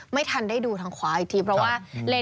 ไม่ทันได้ดูทางขวาอีกทีเพราะว่าเลน